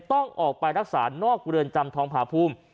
ต้องออกไปรักษานอกเรือนจำทองผาภูมิ